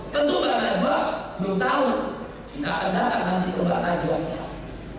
tentu ganjar pranowo belum tahu jika ada akan nanti kembang najwa shihab